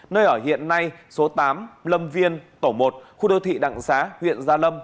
nơi ở hiện nay số tám lâm viên tổ một khu đô thị đặng xá huyện gia lâm